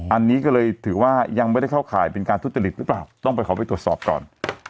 อันนี้ก็เลยถือว่ายังไม่ได้เข้าข่ายเป็นการทุจริตหรือเปล่าต้องไปขอไปตรวจสอบก่อน